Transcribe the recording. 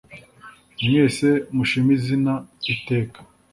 Mwese mushim’ izina iteka